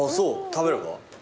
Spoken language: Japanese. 食べれば？